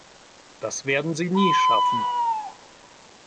Das werden sie nie schaffen.